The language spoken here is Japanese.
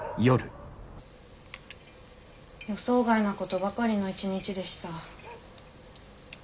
予想外なことばかりの一日でした。